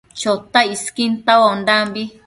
Chotac isquin tauaondambi